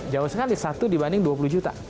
jauh sekali satu dibanding dua puluh juta